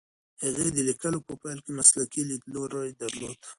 هغې د لیکلو په پیل کې مسلکي لیدلوری درلود.